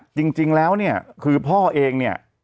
จริงแล้วคือพ่อเอง